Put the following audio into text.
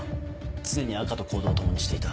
常に赤と行動を共にしていた。